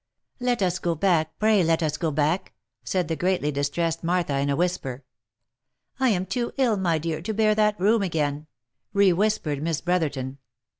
" Let us go back, pray let us go back !" said the greatly distressed Martha, in a whisper. " I am too ill, my dear, to bear that room again," rewhispered Miss Brotherton.